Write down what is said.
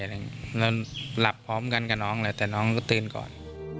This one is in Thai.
แล้วหลับพร้อมกันกับน้องเลยแต่น้องก็ตื่นก่อน